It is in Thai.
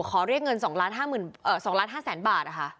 ขอเรียกเงิน๒๕๐๐๐๐๐บาท